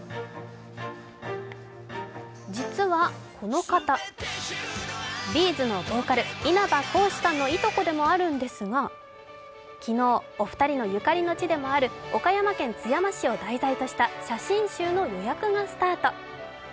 実はこの方、Ｂ’ｚのボーカル稲葉浩志さんのいとこでもあるんですが昨日、お二人のゆかりの地でもある岡山県津山市を題材とした写真集の予約がスタート。